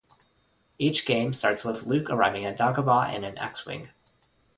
Each game starts with Luke arriving at Dagobah in an X-wing.